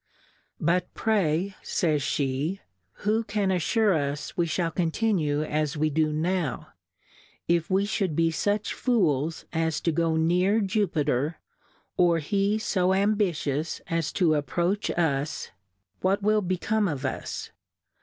But pv^Yj fays fie^ who can affure us we fhall continue as we do now ? If we fhould be fuch Fools as to go near Jupter^ or he fo Ambitious as to ap proach us, what will become of us